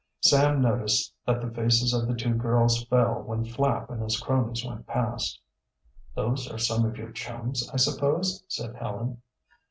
Sam noticed that the faces of the two girls fell when Flapp and his cronies went past. "Those are some of your chums, I suppose?" said Helen.